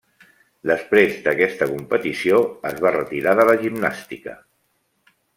Després d'aquesta competició es va retirar de la gimnàstica.